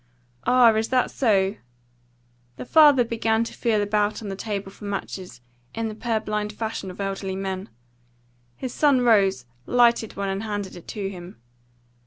"Ah, is that so?" The father began to feel about on the table for matches, in the purblind fashion of elderly men. His son rose, lighted one, and handed it to him.